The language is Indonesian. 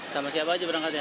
sama siapa aja berangkatnya